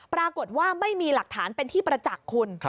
ปรากฏว่าไม่มีหลักฐานเป็นที่ประจักษ์คุณ